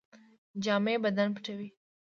جامې بدن پټوي